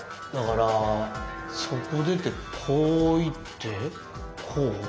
だからそこ出てこう行ってこう？